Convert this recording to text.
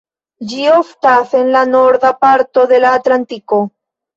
Ĝi oftas en la norda parto de la atlantiko.